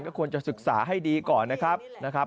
ก็ควรจะศึกษาให้ดีก่อนนะครับ